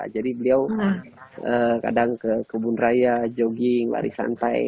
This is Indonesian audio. jadi beliau kadang ke kebun raya jogging lari santai